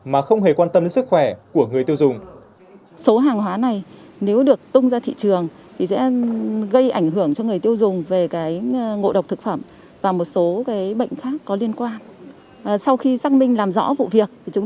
mà không hề quan tâm đến sức khỏe của người tiêu dùng